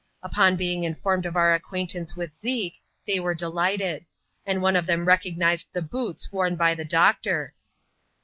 Upon being informed of our acquaintance with Zeke, they were delighted; 4md one of them recognized the boots worn by the doctor.